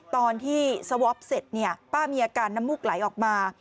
ตอนที่สวอปเสร็จเนี่ยป้ามีอาการน้ำมูกไหลออกมา